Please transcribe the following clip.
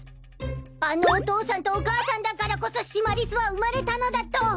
あのお父さんとお母さんだからこそシマリスは生まれたのだと！